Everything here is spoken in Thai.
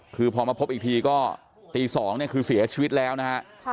คือพอมาพบอีกทีก็ตี๒เนี่ยคือเสียชีวิตแล้วนะฮะ